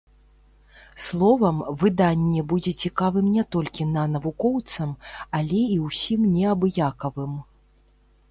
Словам, выданне будзе цікавым не толькі на навукоўцам, але і ўсім неабыякавым.